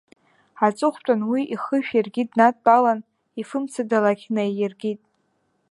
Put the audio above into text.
Аҵыхәтәан, уи ихышә иаргьы днадтәалан, ифымцадалақь наииркит.